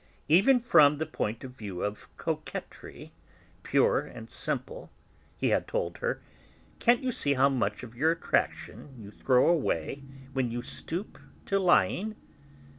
"Even from the point of view of coquetry, pure and simple," he had told her, "can't you see how much of your attraction you throw away when you stoop to lying?